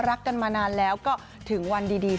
รักกันมานานแล้วก็ถึงวันดี